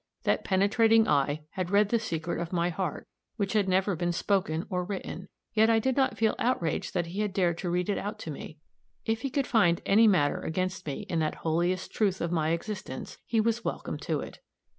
That penetrating eye had read the secret of my heart, which had never been spoken or written, yet I did not feel outraged that he had dared to read it out to me. If he could find any matter against me in that holiest truth of my existence, he was welcome to it.